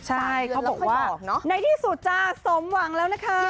ใช่เขาบอกในที่สุดจ้าสมหวังแล้วนะคะ